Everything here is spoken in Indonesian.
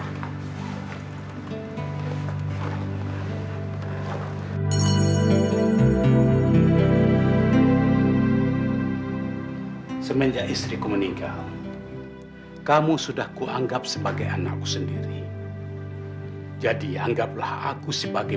hai semenjak istriku meninggal kamu sudah kuanggap sebagai anakku sendiri jadi anggaplah aku sebagai